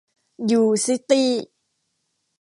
ยู ซิตี้